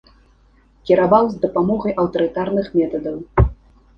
Кіраваў з дапамогай аўтарытарных метадаў.